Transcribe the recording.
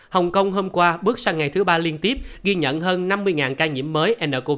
hồng kông hôm qua bước sang ngày thứ ba liên tiếp ghi nhận hơn năm mươi ca nhiễm mới ncov